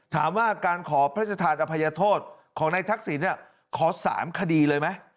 ถามว่าการขอพฤษฐานอภัยโทษของในทักษิเนี่ยขอสามคดีเลยไหม